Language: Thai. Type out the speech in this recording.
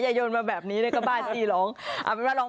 อย่ายนมาแบบนี้ดีก็บ้าดดิร้อง